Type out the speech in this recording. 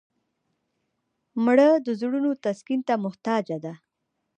مړه د زړونو تسکین ته محتاجه ده